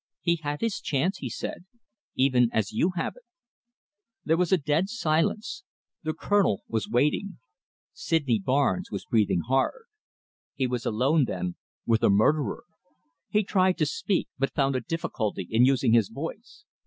"He had his chance," he said, "even as you have it." There was a dead silence. The Colonel was waiting. Sydney Barnes was breathing hard. He was alone, then, with a murderer. He tried to speak, but found a difficulty in using his voice.